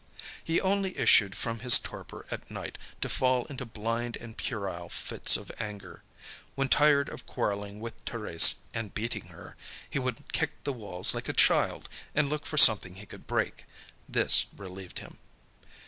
He only issued from his torpor at night to fall into blind and puerile fits of anger. When tired of quarreling with Thérèse and beating her, he would kick the walls like a child, and look for something he could break. This relieved him.